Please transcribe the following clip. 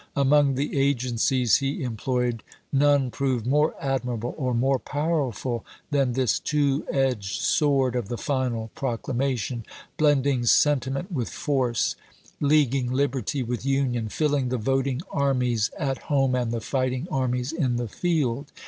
Among the agencies he employed none proved more admirable or more powerful than this two edged sword of the final proclamation, blending sentiment with force, leagu ing liberty with Union, filling the voting armies at home and the fighting armies in the field.